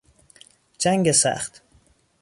جنگ سخت